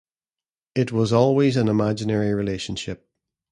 It was always an imaginary relationship.